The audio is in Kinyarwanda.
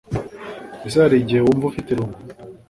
ese hari igihe wumva ufite irungu